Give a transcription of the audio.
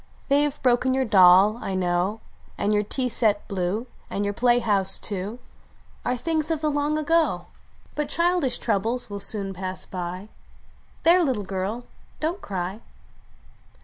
They have hntken your doll, T know And your lea set hhie, And yonr play house, loo, Are things of the lon t q a.qo ; T7T THE LIFE LESSON But childish troubles will soon pass by. There ! little girl ; don t cry